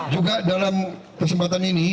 juga dalam kesempatan ini